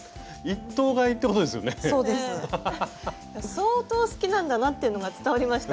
相当好きなんだなっていうのが伝わりました。